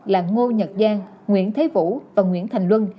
là ngô nhật giang nguyễn thế vũ và nguyễn thành luân